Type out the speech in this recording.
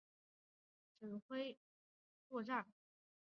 指挥官若乌凯夫斯基与科涅茨波尔斯基带兵至楚措拉作战。